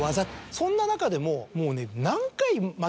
そんな中でももうね。